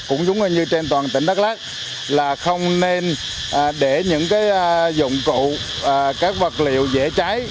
cũng giống như trên toàn tỉnh đắk lát là không nên để những cái dụng cụ các vật liệu dễ trái